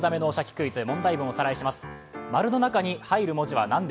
クイズ」、問題文をおさらいします。